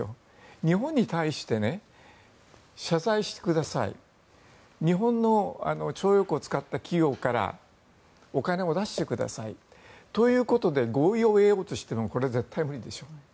日本に対して謝罪してください日本の徴用工を使った企業からお金を出してくださいということで合意を得ようとしてもこれは絶対無理でしょう。